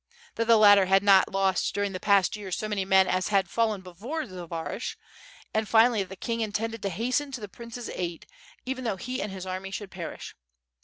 797 that the latter had not lost during the past year so many men as had fallen before Zbaraj; and finally that the king intended to hasten to the prince's aid, even though he and his army should perish.